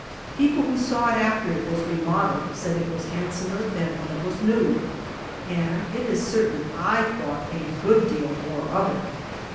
People who saw it after it was remodelled, said it was handsomer than when it was new, and it is certain I thought a good deal more of it.